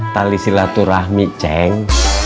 tali silaturahmi ceng